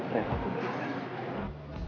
saya takut denganmu